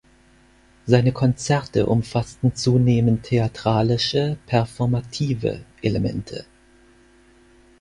Seine Konzerte umfassten zunehmend theatralische, performative Elemente.